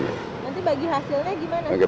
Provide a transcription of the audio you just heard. nanti bagi hasilnya gimana